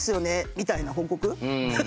みたいな報告。